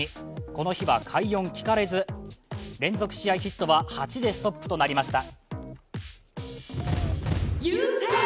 この日は快音聞かれず連続試合ヒットは８でストップとなりました。